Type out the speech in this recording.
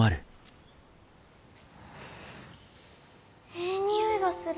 えい匂いがする。